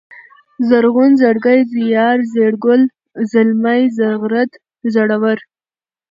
زرغون ، زړگی ، زيار ، زېړگل ، زلمی ، زغرد ، زړور